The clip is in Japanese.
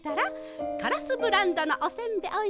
カラスブランドのおせんべいおいしい。